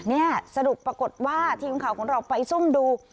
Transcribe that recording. นี่สรุปปรากฏว่าทีมข่าวของเราไปซุ่มดู